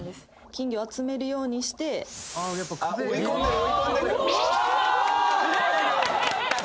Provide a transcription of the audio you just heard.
金魚集めるようにして追い込んでる追い込んでる！